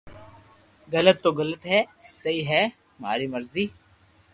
غلط تو غلط ھي سھي ھي ماري مرزي